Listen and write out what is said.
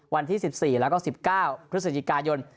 วันที่๑๔แล้วก็๑๙พฤศจิกายน